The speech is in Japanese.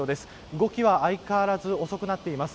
動きは相変わらず遅くなっています。